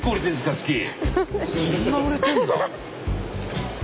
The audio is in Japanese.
そんな売れてんだ。